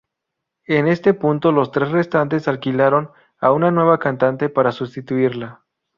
En este punto los tres restantes "alquilaron" a una nueva cantante para sustituirla.